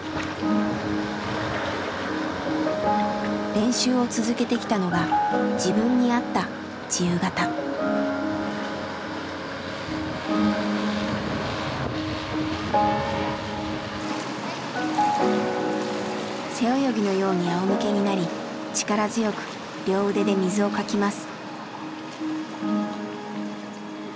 練習を続けてきたのが背泳ぎのようにあおむけになり力強く両腕で水をかきます。